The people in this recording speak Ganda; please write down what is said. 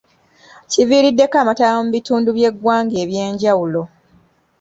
Kiviiriddeko amataba mu bitundu by'eggwanga eby'enjawulo.